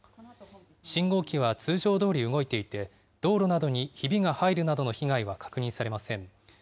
信号機は通常どおり動いていて、道路などにひびが入るなどの被害は確認されません。